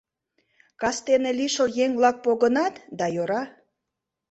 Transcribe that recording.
Кастене лишыл еҥ-влак погынат да йӧра.